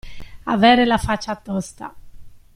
Avere la faccia tosta.